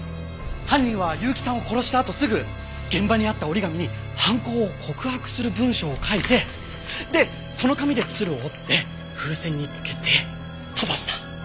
犯人は結城さんを殺したあとすぐ現場にあった折り紙に犯行を告白する文章を書いてでその紙で鶴を折って風船につけて飛ばした。